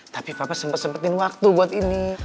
tapi papa sempat sempetin waktu buat ini